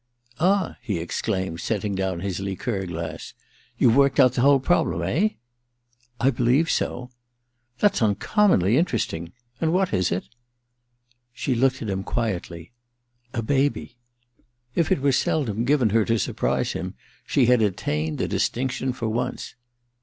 * Ah,' he exclaimed, setting down his liqueur glass. * You've worked out the whole problem, eh?' 1 64 THE MISSION OF JANE i * I bdievc so/ ' That's uncommonly interesting. And what She looked at him quietly. < A baby.' If it was seldom given her to surprise him, she had attained the distinction for once.